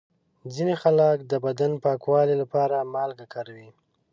ځینې خلک د بدن پاکولو لپاره مالګه کاروي.